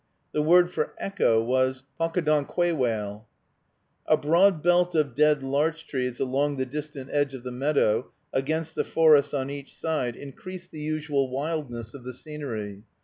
The word for echo was Pockadunkquaywayle. A broad belt of dead larch trees along the distant edge of the meadow, against the forest on each side, increased the usual wildness of the scenery.